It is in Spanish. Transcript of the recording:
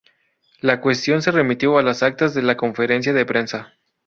La cuestión se remitió a las actas de la conferencia de prensa.